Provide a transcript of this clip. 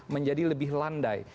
menjadi lebih landai